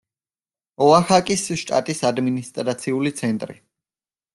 ოახაკის შტატის ადმინისტრაციული ცენტრი.